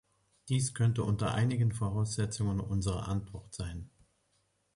Dies könnte unter einigen Voraussetzungen unsere Antwort sein.